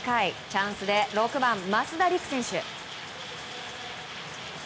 チャンスで６番、増田陸選手。